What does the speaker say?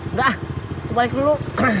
udah aku balik dulu